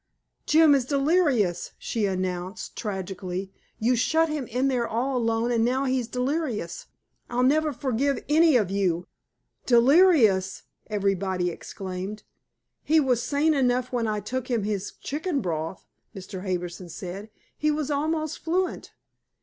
"Jim is delirious!" she announced tragically. "You shut him in there all alone and now he's delirious. I'll never forgive any of you." "Delirious!" everybody exclaimed. "He was sane enough when I took him his chicken broth," Mr. Harbison said. "He was almost fluent."